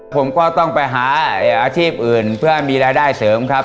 ผมก็ต้องไปหาอาชีพอื่นเพื่อมีรายได้เสริมครับ